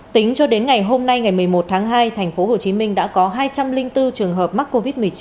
tính cho đến ngày hôm nay ngày một mươi một tháng hai thành phố hồ chí minh đã có hai trăm linh bốn trường hợp mắc covid một mươi chín